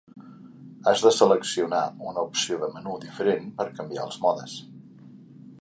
Has de seleccionar una opció de menú diferent per canviar els modes.